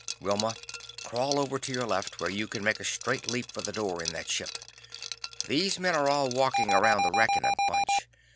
"Wilma, crawl over to your left where you can make a straight leap for the door in that ship. These men are all walking around the wreck in a bunch.